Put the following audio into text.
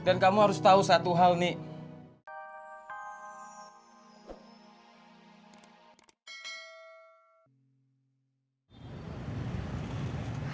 dan kamu harus tau satu hal nih